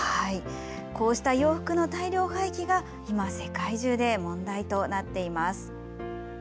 こうした洋服の大量廃棄が今、世界中で問題となっています。